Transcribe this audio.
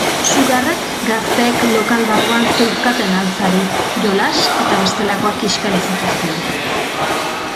Sugarrek gazteek lokal barruan zeuzkaten altzari, jolas eta bestelakoak kiskali zituzten.